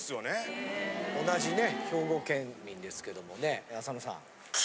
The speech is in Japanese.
同じね兵庫県民ですけどもね浅野さん。